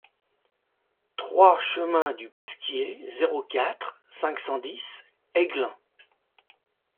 trois chemin du Pesquier, zéro quatre, cinq cent dix Aiglun